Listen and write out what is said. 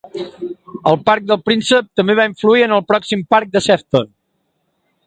El Parc del Príncep també va influir en el pròxim Parc de Sefton.